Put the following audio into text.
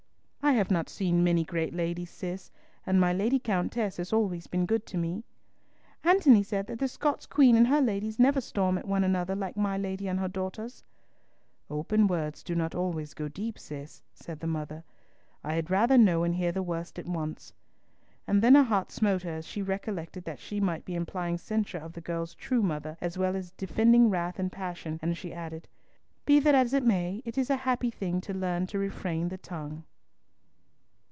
"I have not seen many great ladies, Cis, and my Lady Countess has always been good to me." "Antony said that the Scots Queen and her ladies never storm at one another like my lady and her daughters." "Open words do not always go deep, Cis," said the mother. "I had rather know and hear the worst at once." And then her heart smote her as she recollected that she might be implying censure of the girl's true mother, as well as defending wrath and passion, and she added, "Be that as it may, it is a happy thing to learn to refrain the tongue."